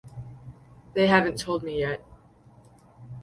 They haven't told me yet.